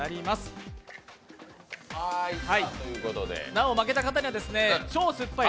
なお負けた方には超酸っぱい！